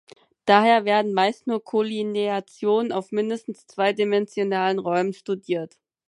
Daher werden meist nur Kollineationen auf mindestens zweidimensionalen Räumen studiert.